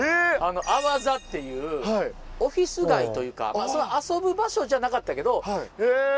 阿波座っていうオフィス街というか遊ぶ場所じゃなかったけど。